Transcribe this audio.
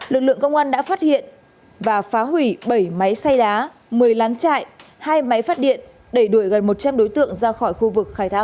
lực lượng công an đã phát hiện và phá hủy bảy máy xay đá một mươi lán chạy hai máy phát điện đẩy đuổi gần một trăm linh đối tượng ra khỏi khu vực khai thác